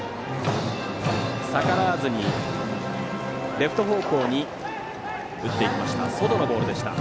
逆らわずにレフト方向に打っていきました。